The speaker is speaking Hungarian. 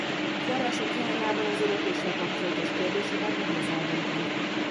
Források hiányában az örökléssel kapcsolatos kérdéseket nehéz eldönteni.